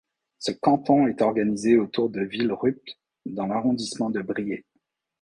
Ce canton est organisé autour de Villerupt dans l'arrondissement de Briey.